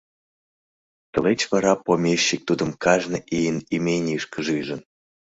Тылеч вара помещик тудым кажне ийын именийышкыже ӱжын.